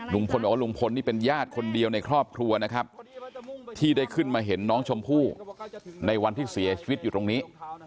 ลุงพลบอกว่าลุงพลนี่เป็นญาติคนเดียวในครอบครัวนะครับที่ได้ขึ้นมาเห็นน้องชมพู่ในวันที่เสียชีวิตอยู่ตรงนี้